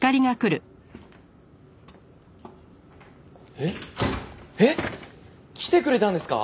えっ？えっ？来てくれたんですか？